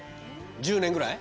１０年ぐらい？